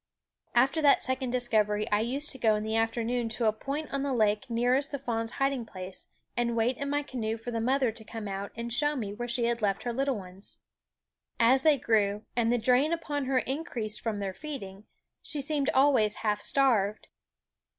After that second discovery I used to go in the afternoon to a point on the lake nearest the fawns' hiding place, and wait in my canoe for the mother to come out and show me where she had left her little ones. As they grew, and the drain upon her increased from their feeding, she seemed always half starved.